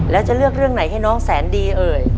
แล้วจะเลือกเรื่องไหนให้น้องแสนดีเอ่ย